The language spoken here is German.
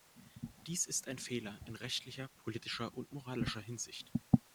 Dies ist ein Fehler in rechtlicher, politischer und moralischer Hinsicht.